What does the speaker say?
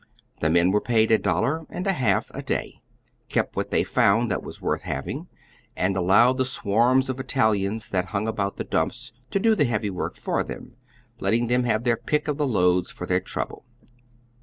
The men were paid a dollar and a half a day, kept what they found that was worth having, and allowed the swarms of Italians who hung about tlie dumps to do the heavy work for tliem, letting them liave their pick uf the loads for their trouble.